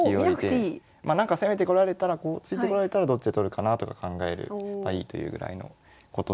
まあなんか攻めてこられたらこう突いてこられたらどっちで取るかなとか考えればいいというぐらいのことで。